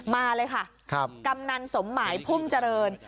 มาเลยค่ะกำนันสมหมายพุ่มเจริญ